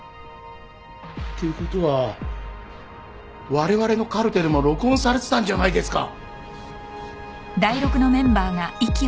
ということはわれわれのカルテルも録音されてたんじゃないですか。